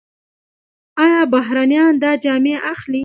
آیا بهرنیان دا جامې اخلي؟